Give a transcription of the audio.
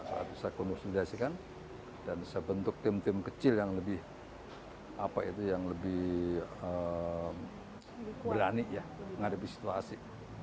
saya bisa konsolidasikan dan saya bentuk tim tim kecil yang lebih berani ya menghadapi situasi